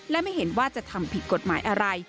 และไม่เห็นว่าจะทำผิดกฎหมายอะไร